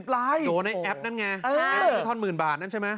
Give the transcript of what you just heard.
๙๔๖๐ไลค์โอ้โหนี่แอปนั่นไงเออแอปนี้ท่อนหมื่นบาทนั่นใช่ไหม